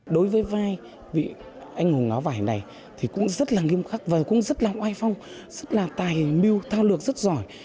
đối với vai vị anh hùng áo vải này thì cũng rất là nghiêm khắc và cũng rất là oai phong rất là tài miêu tảo lược rất giỏi